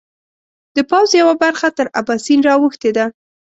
د پوځ یوه برخه تر اباسین را اوښتې ده.